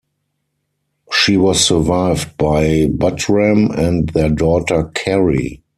She was survived by Buttram and their daughter Kerry.